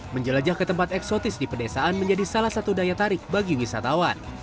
menjelajah ke tempat eksotis di pedesaan menjadi salah satu daya tarik bagi wisatawan